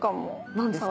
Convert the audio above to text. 何ですか？